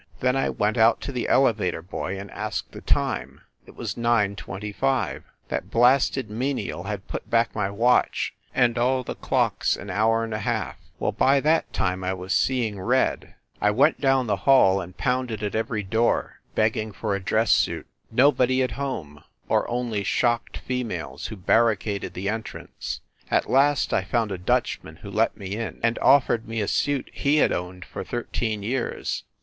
Then I went out to the elevator boy and asked the time. It was nine twenty five! That blasted menial had put back my watch and all the clocks an hour and a half. .Well, by that time I was seeing red. I went down 90 FIND THE WOMAN the hall and pounded at every door, begging for a dress suit. Nobody at home, or only shocked fe males, who barricaded the entrance. At last I found a Dutchman who let me in, and offered me a suit he had owned for thirteen years.